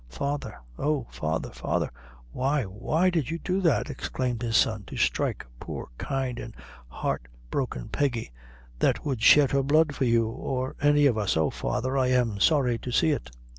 "Father oh! father, father, why, why did you do that?" exclaimed his son, "to strike poor kind an' heart broken Peggy, that would shed her blood for you or any of us. Oh! father, I am sorry to see it."